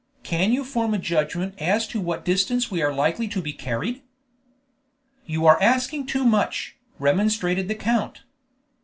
Can you form a judgment as to what distance we are likely to be carried?" "You are asking too much," remonstrated the count.